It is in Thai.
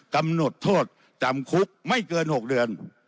กำหนดโทษจำคุกไม่เกิน๖เดือน